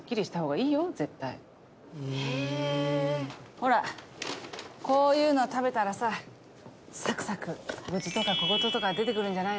ほらこういうの食べたらさサクサク愚痴とか小言とか出て来るんじゃないの？